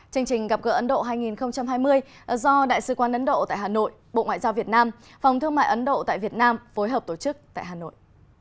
chương trình gặp gỡ ấn độ hai nghìn hai mươi do đại sứ quan ấn độ tại hà nội bộ ngoại giao việt nam phòng thương mại ấn độ tại việt nam phối hợp tổ chức tại hà nội